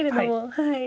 はい。